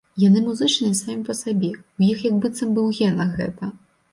Яны музычныя самі па сабе, у іх як быццам бы ў генах гэта.